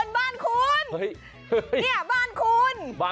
บ้านคุณที่สา